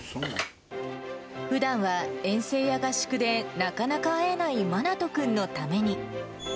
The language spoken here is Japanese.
ふだんは遠征や合宿でなかなか会えない愛士くんのために。